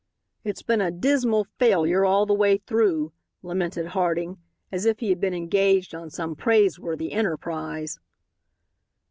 "It's been a dismal failure all the way through," lamented Harding, as if he had been engaged on some praiseworthy enterprise.